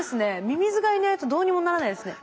ミミズがいないとどうにもならないですね。